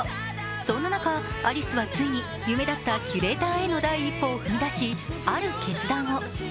そんな中、有栖はついに夢だったキュレーターへの第一歩を踏み出しある決断を。